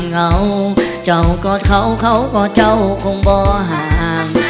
สั่งเล่าจอกอดเขาเขากอดจ้าวโคงเบาฮาร์